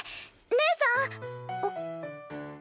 ねえさん！